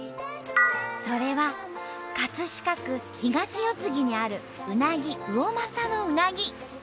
それは飾区東四つ木にあるうなぎ魚政のうなぎ。